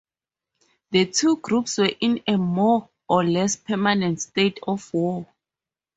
The two groups were in a more or less permanent state of war.